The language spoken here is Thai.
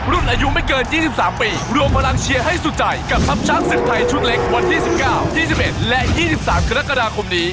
รวมพลังเชียร์ให้สุดใจกับทัพช้างศิษย์ไทยชุดเล็กวันที่๑๙๒๑และ๒๓คคนี้